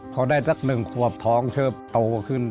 พอได้สักหนึ่งขวบท้องเชิบโตขึ้น